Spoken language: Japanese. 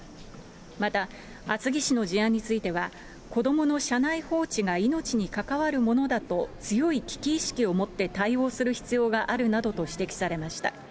また、厚木市の事案については、子どもの車内放置が命に関わるものだと強い危機意識を持って対応する必要があるなどと指摘されました。